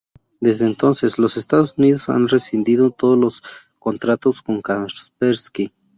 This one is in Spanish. Desde entonces, los Estados Unidos han rescindido todos los contratos con Kaspersky.